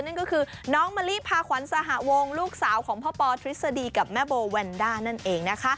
นั่นก็คือน้องมะลิพาขวัญสหวงลูกสาวของพ่อปอทฤษฎีกับแม่โบแวนด้านั่นเองนะคะ